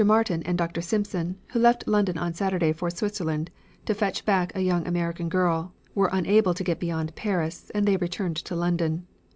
Martin and Dr. Simpson, who left London on Saturday for Switzerland to fetch back a young American girl, were unable to get beyond Paris, and they returned to London.